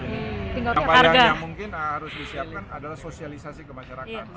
yang paling yang mungkin harus disiapkan adalah sosialisasi ke masyarakat